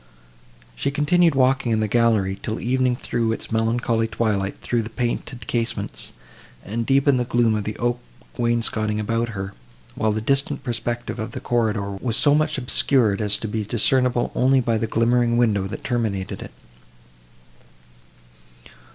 She continued walking in the gallery, till evening threw its melancholy twilight through the painted casements, and deepened the gloom of the oak wainscoting around her; while the distant perspective of the corridor was so much obscured, as to be discernible only by the glimmering window, that terminated it.